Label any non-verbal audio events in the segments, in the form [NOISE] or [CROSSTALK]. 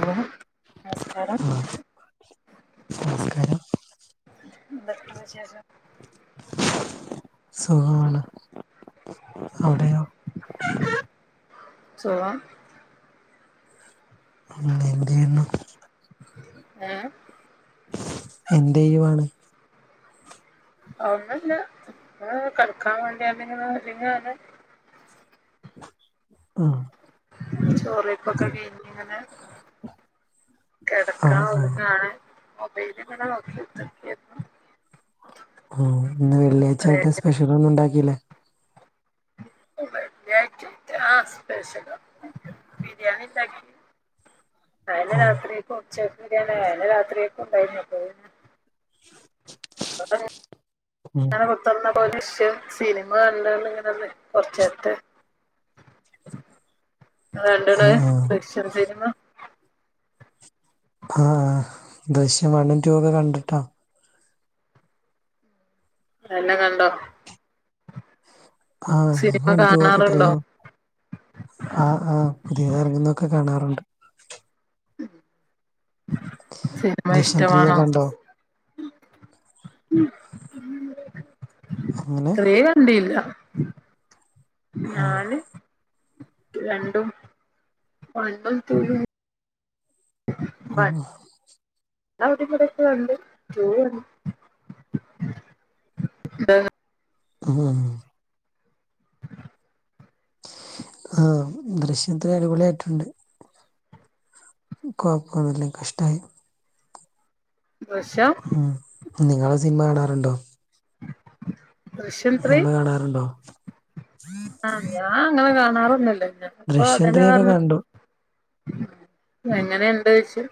Hello നമസ്കാരം. ആ നമസ്കാരം എന്തോക്കെണ്ട് വിശേഷം? സുഖാണ് അവ്ടേയോ? സുഖം. ഇങ്ങ്േന്ത്യന്നു. ഏഹ്. എന്തിയ്യുവാണ്. ഒന്നുല്ല. ഇ കടക്കാൻ വേണ്ടിങ്ങാൻഡ് ഇങ്ങനെ ഒരുങ്ങാണ്. ഉം. ചോറൈപ്പാക്കെ കഴിഞ്ഞ്ങ്ങനെ. ആ കെടകാം ആ ഒരുങ്ങാണ്. മൊബൈലിങ്ങനെ നോക്കികുത്തിരിക്കെരുന്നു. ആഹ് ഇന്ന് വെള്ള്യയിചായിട്ട് സ്പെഷ്യലൊന്നും ഇണ്ടാക്കില്ലേ. വെളള്ള്യായട്ട ആ സ്പെഷ്യല ബിരിയാണി ഉണ്ടാക്കി. അഎന്നെ ഓ രാത്രിക്കു ഉച്ചക്ക് ബരിയാണ അയനെ രാത്രിക്കുണ്ടായിരുന്നു അപ്പ അത്. കൊഴ്പ്പാണ്.. ഉം അങ്ങനെ കൊത്തറ്ന്ന് പോലെ ശ് സിനിമ കണ്ടാണ്ട് ഇങ്ങനെ കൊറച്ചേര്ത്തെ. രണ്ട്ണ് ആ ആ ദൃശ്യം സിനിമ. ആഹ ആഹ്. ദൃശ്യം വണ്ണും ടു ഒക്കെ കണ്ടിട്ടാ. എല്ലാം കണ്ടോ? ആഹ് ഞാൻ സിനിമ കണ്ടു ഒക്കെ കാണാറുണ്ടോ ത്രീയോ. ആഹ് ആഹ് പുതിയത് ഇറാങ്ങന്നൊക്കെ കാണാറുണ്ട്. സിനിമ ദൃശ്യം ത്രീ ഇഷ്ടമാണോ? ഒക്കെ കണ്ടോ എങ്ങനെ [UNINTELLIGIBLE] ണ്ടില്ല ഓ ഞാന്. രണ്ടും വണ്ണും ടു യും ആഹ്. വിടെ ഇവടെക്കെ കണ്ട് ടു കൺ ആഹ് ആ ദൃശ്യം ത്രീ അടിപൊളി ആയിട്ടുണ്ട് കൊഴപ്പൊന്നുമില്ല കഷ്ടമായി ഫ്രഷാ ഉം നിങ്ങൾ സിനിമ കാണാറുണ്ടോ ദൃശ്യം ത്രീ സിനിമ കാണാറുണ്ടോ ആഹ് അങ്ങനെ കാണാറൊന്നുമില്ല ഓ ചെലപ്പോ ദൃശ്യം അതല്ലേ ത്രീയൊക്കെ പറഞ്ഞെ കണ്ടു എങ്ങനെ ഒണ്ട് ചോദിച്ചു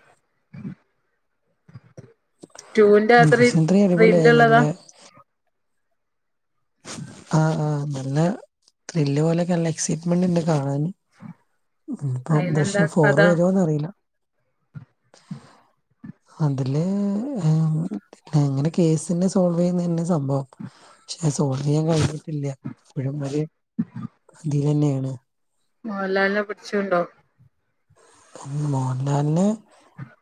ടൂ ന്റെ അത്രേ ദൃശ്യം ത്രീ അടിപൊളിയായി നല്ല ത്രില്ലുള്ളതാ ആഹ് ആഹ് നല്ല ത്രില്ല് പോലെയൊക്കെ നല്ല എക്സൈറ്റ്മെന്റ് ഉണ്ട് കാണാന് ഇപ്പോ അതിലെന്താ ദൃശ്യം ഫോർ കഥ വരുമോന്ന് അറിയില്ല അതില് ഇങ്ങനെ കേസിൻ്റെ സോൾവ് ചെയ്യുന്ന തന്നെ സംഭവം പക്ഷെ സോൾവ് ചെയ്യാൻ കഴിഞ്ഞിട്ടില്ല ഇപ്പഴും അത് തീരുക തന്നെയാണ് മോഹൻ ലാലിനെ പിടിച്ചോണ്ട് പോകുവോ മോഹൻലാലിനെ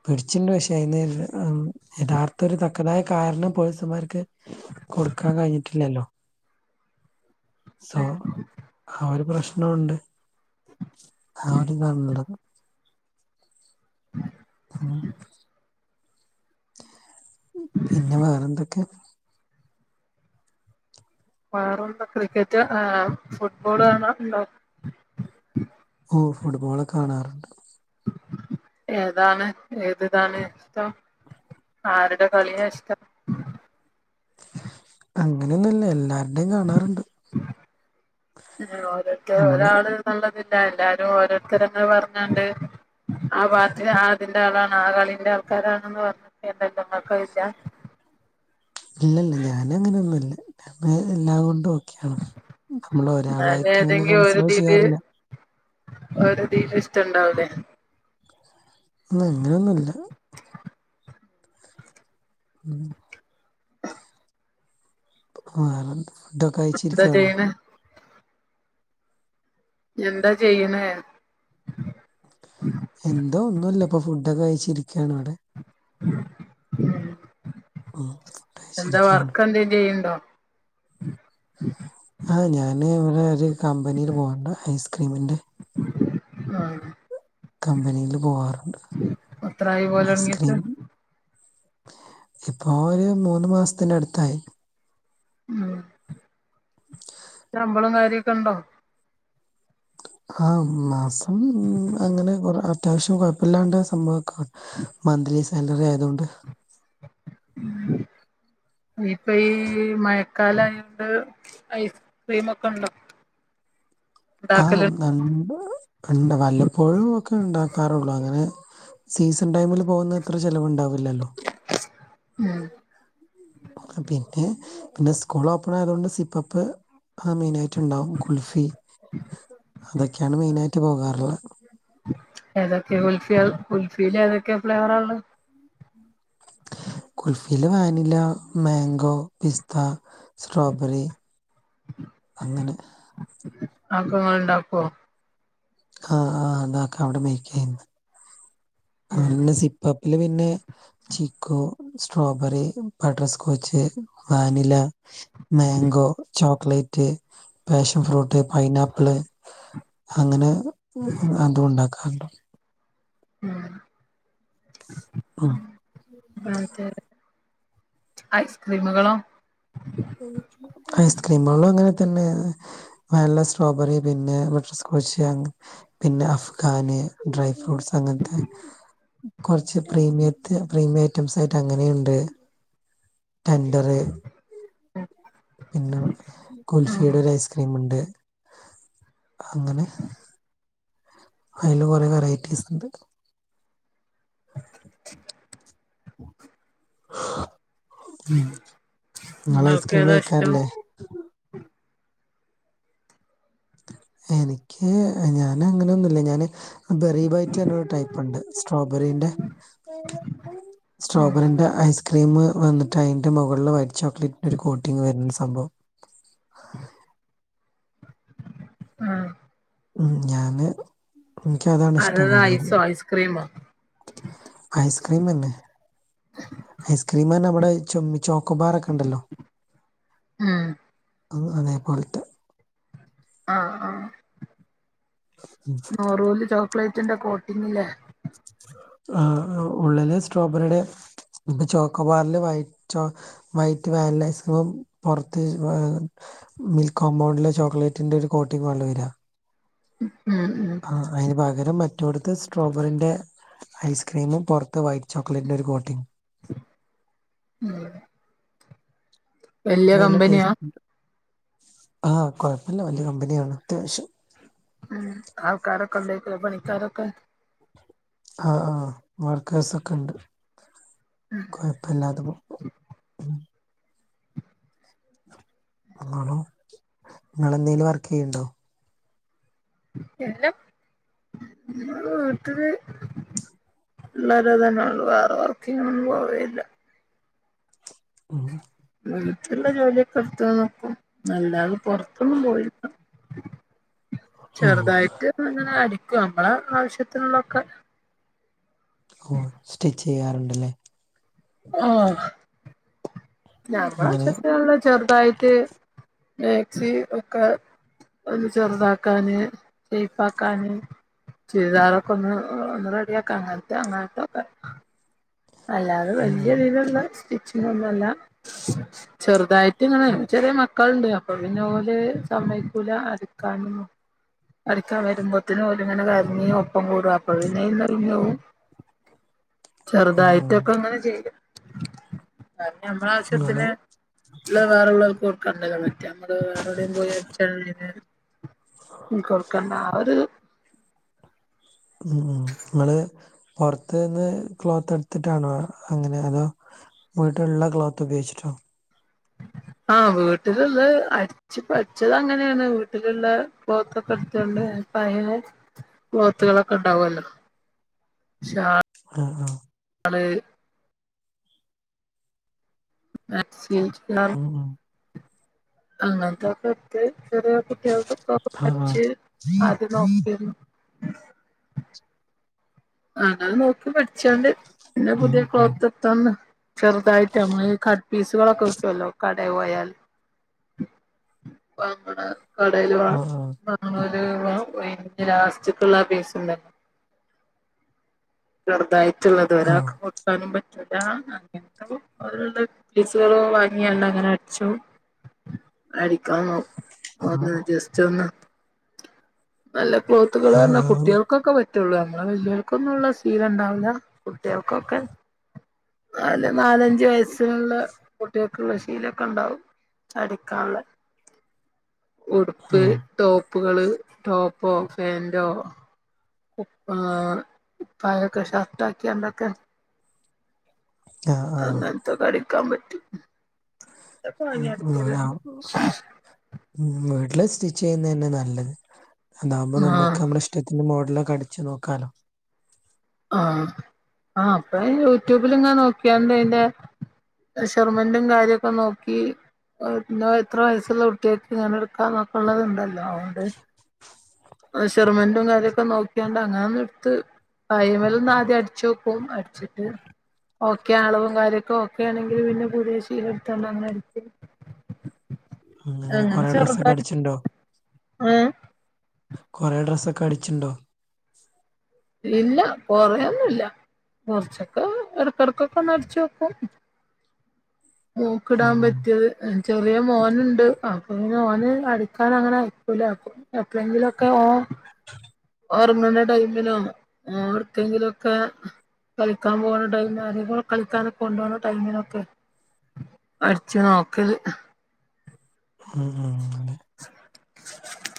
പിടിച്ചോണ്ട് പോകും പക്ഷെ അതില് ആം യഥാർത്ഥ ഒരു തക്കതായ കാരണം പോലീസുകാർക്ക് കൊടുക്കാൻ കഴിഞ്ഞിട്ടില്ലല്ലോ സോ ആ ഒരു പ്രശ്നമുണ്ട് ആര് കണ്ടു [UNINTELLIGIBLE] പിന്നെ വേറെ എന്തൊക്കെയാണ് വേറെന്താ ക്രിക്കറ്റ് ആ ഫുട്ബോൾ കാണുവൊ ഓ ഫുട്ബോള് കാണാറുണ്ട് ഏതാണ് ഏത് ഇതാണ് ഇഷ്ടം ആരുടെ കളിയാണ് ഇഷ്ടം അങ്ങനൊന്നുമില്ല എല്ലാർടേം ഇതിൽ ഓരോരുത്തർ നമ്മള് ഒരാള് ഉള്ളതില്ല എല്ലാരും ഓരോരുത്തരന്ന് പറഞ്ഞോണ്ട് ആ പാർട്ടി ആ അതിന്റെ ആളാണ് ആ കളിന്റെ ആൾക്കാരാണെന്ന് പറഞ്ഞിട്ട് നിങ്ങൾക്കത് ഇല്ല ഇല്ലല്ല ഞാന് അങ്ങനെയൊന്നുമില്ല എല്ലാം കൊണ്ട് നോ നമ്മള് ഒരാളായിട്ട് അങ്ങനെ കൺസിഡർ ചെയ്യാറില്ല അവരെ തീരെ ഇഷ്ടം ഉണ്ടാവില്ലേ ഉം അങ്ങനെയൊന്നുമല്ല ഉം ആ ഫുഡൊക്കെ എന്താ കഴിച്ചിരിക്കയാണോ ചെയ്യണ എന്താ ചെയ്യുന്നേ എന്തോ ഒന്നുമില്ല ഇപ്പൊ ഫുഡ് ഒക്കെ കഴിച്ചിരിക്കയാണ് ഇവിടെ ഉം എന്താ കഴിച്ചിരിക്കാണ് വർക്ക് എന്തേലും ചെയ്യുന്നുണ്ടോ ആഹ് ഞാന് ഇവിടെ ഒരു കമ്പനിയിൽ പോകുന്നുണ്ട് ഐസ്ക്രീമിന്റെ ആഹ് കമ്പനിയിൽ പോകാറുണ്ട് എത്രായി പോലൊടങ്ങീട്ട് ഐസ്ക്രീം ഇപ്പോ ഒരു മൂന്ന് മാസത്തിന്റെ അടുത്തായി ഉം ശമ്പളോം കാര്യോക്കെ ഉണ്ടോ ആ മാസം അങ്ങനെ അത്യാവശ്യം കുഴപ്പില്ലാണ്ട് സംഭവ മന്തിലി സാലറി ആയതുകൊണ്ട് ഇപ്പൊ ഈ മഴക്കാലായോണ്ട് ഐസ് ക്രീം ഒക്കെ ഉണ്ടോ ആഹ് ഉണ്ടാക്കല് ആണ്ട് വല്ലപ്പോഴും ഒക്കെ ഉണ്ടാക്കാറുള്ളു അങ്ങനെ സീസൺ ടൈമിൽ പോകുന്നത്ര ചെലവുണ്ടാവില്ലല്ലോ ഉം പിന്നെ പിന്നെ സ്കൂൾ ഓപ്പൺ ആയത് കൊണ്ട് സിപ്പപ്പ് മെയിനായിട്ട് റ്റ്ണ്ടാവും കുൽഫി അതൊക്കെയാണ് മെയിനായിട്ട് പോകാറുള്ളത് ഏതൊക്കെ കുൽഫി കുൽഫിൽ ഏതൊക്കെ ഫ്ലേവറാള്ളത് കുൽഫിൽ വാനില മാങ്കോ പിസ്ത സ്ട്രോബെറി അങ്ങനെ അതൊക്കെ ഇങ്ങള് ഇണ്ടാക്കോ ആഹ് ആഹ് അതാക്കാം അവിടെ മെയ്ക്ക് ചെയ്യുന്നു ഉം അതുപിന്നെ സിപ്പപ്പില് പിന്നെ chikoo strawberry butterscotch vanilla mango ചോ ചോക്ലേറ്റ് പാഷൻ ഫ്രൂട്ട് പൈനാപ്പിള് അങ്ങനെ അതും ഉണ്ടാക്കാറുണ്ട് ആഹ് ഉം അതേ അതെ ഐസ്ക്രീമുകളോ ഐസ്ക്രീമുകളും അങ്ങനെ തന്നെ വാനില സ്ട്രോബെറി പിന്നെ ബട്ടർ സ്കോച്ച് അങ്ങനെ പിന്നെ അഫ്ഗാന് ഡ്രൈ ഫ്രൂട്ട്സ് അങ്ങനത്തെ കുറച്ച് പ്രീമിയത്തെ പ്രീമിയം ഐറ്റംസ് ആയിട്ട് അങ്ങനെയുണ്ട് ടെൻഡറ് പിന്നെ ഉം കുൽഫിയുടെ ഒരു ഐസ്ക്രീം ഇണ്ട് അങ്ങനെ അതില് കുറെ വെറൈറ്റീസിണ്ട് നിങ്ങൾ നിങ്ങൾക്ക് ഐസ്ക്രീം ഏതാ ഇഷ്ടം കഴിക്കാറില്ലേ? എനിക്ക് ഞാൻ അങ്ങനെയൊന്നുല്ല ഞാന് ബെറി ബൈറ്റ് പറഞ്ഞ ഒരു ടൈപ്പുണ്ട് സ്ട്രോബറിന്റെ സ്ട്രോബറിന്റെ ഐസ് ക്രീം വന്നിട്ട് അൻ്റെ മുകളിലിൽ വൈറ്റ് ചോക്ലേറ്റിന്റെ ഒരു കോട്ടിംങ് വരുന്ന സംഭവം ആഹ് ഉം ഞാന് എനിക്ക് അതാണ് ഇഷ്ടം അതത് കൂടുതൽ ഐസോ ഐസ്ക്രീമോ ഐസ്ക്രീമന്നെ ഐസ്ക്രീമ് തന്നെ ഐബടെ ചുമ് ചോക്കോബാറൊക്കെ ഉണ്ടല്ലോ ഉം അതേ പോലത്തെ ആഹ് ആഹ് നെറൂൽ ചോക്ലേറ്റിന്റെ കോട്ടിങ്ലെ ആഹ് ആഹ് ഉള്ളില് സ്ട്രോബെറിയുടെ ഈ ചോക്കോബാറില് വൈറ്റ് വൈറ്റ് വാനില ഐസ്ക്രീമും പുറത്ത് മിൽകോമ്പൗണ്ടിൽ ചോക്ലേറ്റിന്റെ ഒരു കോട്ടിങ്ങ് പോലെ വരാ ഉം ഉം ആ അയിന് പകരം മറ്റോടത്‌ സ്ട്രോബെറിന്റെ ഐസ്ക്രീമും പുറത്ത് വൈറ്റ് ചോക്ലേറ്റിന്റെ ഒരു കോട്ടിങ്‌ ഉം വല്യ നല്ല കമ്പനിയാ ടേസ്റ്റ് ഉണ്ട് ആ കൊഴപ്പില്ല വലിയ കമ്പനിയാണ് അത്യാവശ്യം ഉം ആൾക്കാരൊക്കെ ഉണ്ടേയ്‌ക്കൂലെ പണിക്കാരൊക്കെ ആഹ് ആഹ് വർക്കേഴ്സ് ഒക്കെണ്ട് കുഴപ്പില്ലാതെ പോണു നിങ്ങളോ നിങ്ങൾ എന്തേലും വർക്ക് ചെയ്യണ്ടോ ഇല്ല ഞാൻ വീട്ടില് ള്ളരൊത് തന്നെ ള്ളൂ വേറെ വർക്ക്നൊന്നും പോവേല്ല ഉം. വീട്ടീള്ള ജോലിയൊക്കെ എടുത്ത് നോക്കും അല്ലാതെ പൊറത്തൊന്നും പോയില്ല ഓഹ് ചെറുതായിട്ട്ങ്ങനെ അടിക്കും അമ്മളെ ആവശ്യത്തിനുള്ളൊക്കെ ഓ സ്റ്റിച്ച് ചെയ്യാറുണ്ടല്ലേ? ആഹ്. ഞമ്മളെ ഇങ്ങനെ ആവശ്യത്തിനുള്ളത് ചെറുതായിട്ട് മാക്സി ഒക്കെ ഒന്ന് ചെറുതാക്കാൻ ഷേപ്പ് ആക്കാന് ചുരിദാർ ഒക്കൊന്ന് ഒന്ന് റെഡിയാക്കാ അങ്ങത്തെ അങ്ങത്തെ ഒക്കെ അല്ലാതെ ഉം വലിയ ഉം ഇതില്ള്ള സ്റ്റിചിങ്ങോന്നല്ല ചെറുതായിട്ട് ഇങ്ങെ ചെറിയ മക്കളുണ്ട് അപ്പൊ പിന്നെ ഓല് സമയക്കൂല അടുക്കാനൊന്നു. അടിക്കാൻ വരുമ്പോത്തന് ഓല് ഇങ്ങനെ കരഞ്ഞ് ഒപ്പം കൂടും അപ്പോ പിന്നെ എല്ലാരു പോവു. ആഹ് ചെറുതായിട്ട് ആഹ് ഇപ്പം ഇങ്ങനെ ചെയു കാരണം മ്മള നിങ്ങള് ആവശ്യത്തിന് ഇല്ല വേറെള്ളവർക്ക് കൊടുക്കണ്ടല്ലോ മറ്റേ നമ്മള് വേറെ എവിടെേയും പോയി അടിച്ച ഒരുന്നേരം ഉം കൊടുക്കണ്ട ആ ഒരു ഉം ങ്ങള് പൊറത്ത് നിന്ന് ക്ലോത്ത് എടുത്തിട്ടാണ് അങ്ങനെ അതോ? വീട്ടിലുള്ള ക്ലോത്ത് ഉപയോഗിച്ചിട്ടോ? ആ വീട്ടില്ള്ള് അട് ച്ച് പഠിച്ചേങ്ങനെയാണ് വീട്ടിലുള്ള ക്ലോതൊക്കെ എടുത്തൊണ്ട് പയ ക്ലോത്തുകളൊക്കെ ഉണ്ടാവല്ലോ ശാ ആഹ്‌. അത് മാക്സിയും ചുരിദാറും ഉം. അങ്ങനക്കേത്ത് ചെറിയ കുട്ടിയൊക്ക് ടോപ് ആ ആ അടിച് ആദ്യം നോക്കെന്നു. അങ്ങനെ നോക്കി പഠിച്ചോണ്ട് പിന്നെ ഉം പുതിയ ഉം ക്ലോത്ത് തന്ന് ചെറുതായിട്ട് നമ്മൾ കട്ട് പീസുകളൊക്കെ കിട്ടുവല്ലോ കടേ പോയാല് നമ്മുടെ കടേല് വാ ആ ആ നമ്മെലൂർ ഒഴി ലാസ്റ്റ്ക്ക്ള്ള ആ പീസിന്റെ ണൊ? ചെറുതായിട്ടുള്ളത് ആ ഒരാൾക്ക് കൊടുക്കാനും പറ്റില്ല അങ്ങനത്തെ കൊ അങ്ങനുള്ള പീസുകള് വാങ്ങി അങ്ങനെ അടിച്ചു അടിക്കാ അ തെജസ്റ്റ് ഒന്ന് നല്ല ആ ക്ലോത്തുകളാണ് ആ കു ഉം ട്ടിയോൾക്കൊക്കെ പറ്റുള്ളൂ നമ്മടെ വല്ലികൾക്കൊന്നുള്ള ശീല ഇണ്ടാവൂല കുട്ടിയോൾക്കൊക്കെ നാല് നാലഞ്ച് വയസ്സിനുള്ള കുട്ടികൾക്കുള്ള ശീലൊക്കെ ഉണ്ടാവും അടിക്കാള്ളെ ഉടുപ്പ് ടോപ്പുകള് ടോപ്പോ ഫേന്റോ ഉപ്പാ കായക്ക് ഷർട്ട് ആക്കിയാണ്ടൊക്കെ ആ ആ അങ്ങനത്തൊക്കെ അടിക്കാൻ പറ്റും. ഇതൊക്കെ വാങ്ങി അടിക്കലുണ്ട് [UNINTELLIGIBLE] വീട്ടില് സ്റ്റിച്ച് ചെയ്യുന്ന തന്നെ നല്ലത്. അതാവകുമ്പോ നമ്മക്ക് ആഹ് നമ്മുടെ ഇഷ്ടത്തിന് മോഡല് ഒക്കെ അടിച്ച് നോക്കാലോ. ആ അപ്പൊ യൂട്യൂബിൽ ഇങ്ങനെ നോക്കിയാണ്ട് അയിന്റെ മെഷർമെന്റും കാര്യക്കെ നോക്കി ന്തോ എത്ര വയസ്സുള്ള കുട്ടിയക്ക് ഇങ്ങനെ എടുക്കാൻ ഒക്കെ ഉള്ളത് ഉണ്ടല്ലോ അതോണ്ട് മെഷർമെന്റും കാര്യൊക്കെ നോക്കിയാണ്ട് അങ്ങന ഒന്ന് എടുത്ത് പയമേലൽ ഒന്ന് ആദ്യം അടിച്ച് നോക്കും അടിച്ചിട്ട് ഓക്കെ ആളവും കാര്യങ്ങൾ ഓക്കെ ആണെങ്കിൽ പിന്നെ പുതിയ ശീല എടുത്തോണ്ട് അങ്ങനെ അടിക്കു അങ്ങനെ കൊറേ ഡ്രസ്സൊക്കെ അടിച്ചിണ്ടോ? ഏഹ് കുറേ ഡ്രസ്സൊക്കെ അടിചിണ്ടോ? ഇല്ല കൊറേയൊന്നു ഇല്ല കുറച്ചൊക്കെ എടാ ഇടക്കൊക്കെ ഒന്ന് അടിച്ച് നോക്കും മോക്കിടാൻ ഉം പറ്റ യത് ചെറിയ മോൻ ഉണ്ട് അപ്പൊ ഓന് അടുക്കാൻ അങ്ങനെ ഒക്കൂല അപ്പൊ എപ്പോഴെങ്കിലൊക്കെ ഓ ഓർങ്ങണ ടൈമിലോ ആർക്കെങ്കിലും ഒക്കെ കളിക്കാൻ പോകണ ടൈമില് ആരേ കൂടെകളിക്കാനൊക്കെ കൊണ്ട് പോണ ടൈമിനൊക്കെ അടിച്ച് നോക്കല്. ഉം ഉം